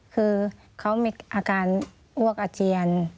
คือเขามีอาการอ้วกอาเจียน